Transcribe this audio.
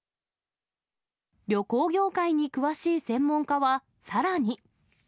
旅行業界に詳しい専門家は、さらに。